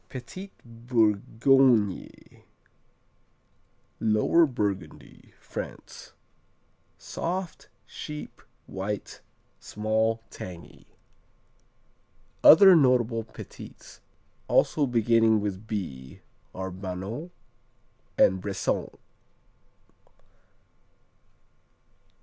Petits Bourgognes Lower Burgundy, France Soft; sheep; white, small, tangy. Other notable Petits also beginning with B are Banons and Bressans.